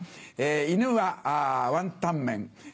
イヌはワンタンメン。